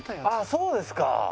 ああそうですか。